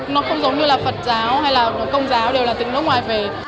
nó không giống như là phật giáo hay là công giáo đều là tiếng nước ngoài về